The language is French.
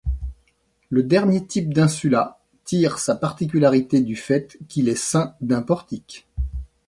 Le dernier type d’insula tire sa particularité du fait qu’il est ceint d’un portique.